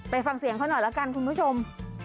ฟังเสียงเขาหน่อยละกันคุณผู้ชม